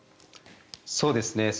そうですね。